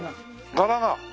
柄が？